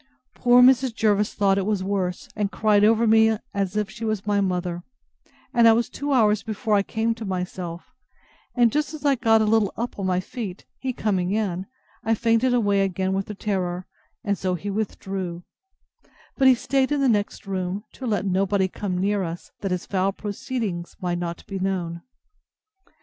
Poor Mrs. Jervis thought it was worse, and cried over me like as if she was my mother; and I was two hours before I came to myself; and just as I got a little up on my feet, he coming in, I fainted away again with the terror; and so he withdrew: but he staid in the next room to let nobody come near us, that his foul proceedings might not be known.